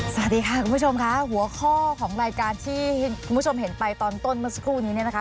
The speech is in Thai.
สวัสดีค่ะคุณผู้ชมค่ะหัวข้อของรายการที่คุณผู้ชมเห็นไปตอนต้นเมื่อสักครู่นี้เนี่ยนะคะ